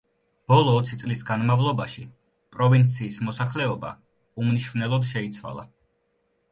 ბოლო ოცი წლის განმავლობაში, პროვინციის მოსახლეობა უმნიშვნელოდ შეიცვალა.